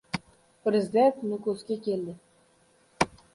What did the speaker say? Prezident Nukusga ketdi